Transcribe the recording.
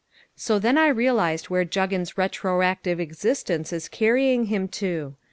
So then I realised where Juggins retroactive existence is carrying him to.